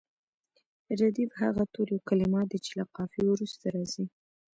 ردیف هغه توري او کلمات دي چې له قافیې وروسته راځي.